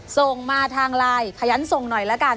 ส่งมาทางไลน์ขยันส่งหน่อยละกัน